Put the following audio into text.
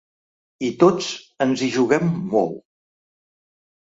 I tots ens hi juguem molt.